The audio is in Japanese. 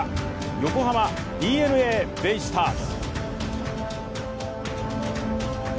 横浜ＤｅＮＡベイスターズ。